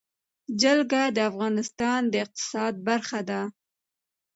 جلګه د افغانستان د اقتصاد برخه ده.